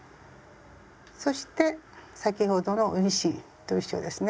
そして先ほどの運針と一緒ですね。